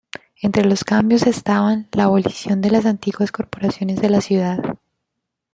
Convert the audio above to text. Entre los cambios estaban la abolición de las antiguas corporaciones de la ciudad.